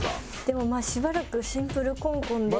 でもまあしばらくシンプルコンコンで。